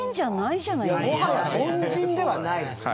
もはや凡人ではないですね。